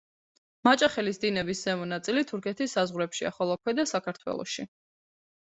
მაჭახელის დინების ზემო ნაწილი თურქეთის საზღვრებშია, ხოლო ქვედა საქართველოში.